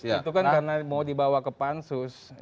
itu kan karena mau dibawa ke pansus